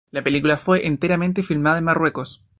La película fue enteramente filmada en Marruecos.